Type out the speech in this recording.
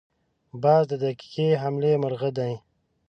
باز د دقیقې حملې مرغه دی